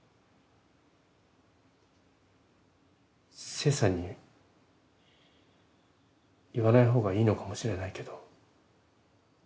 聖さんに言わないほうがいいのかもしれないけど。